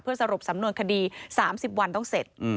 เพื่อสรบสำนวนคดี๓๐วันต้องเสร็จ